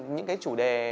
những chủ đề